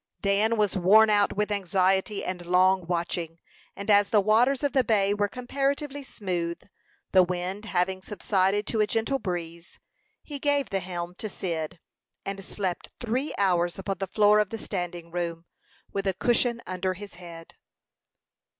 Dan was worn out with anxiety and long watching, and as the waters of the bay were comparatively smooth, the wind having subsided to a gentle breeze, he gave the helm to Cyd, and slept three hours upon the floor of the standing room, with a cushion under his head.